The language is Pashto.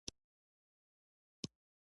افغانستان د مس د ترویج لپاره پروګرامونه لري.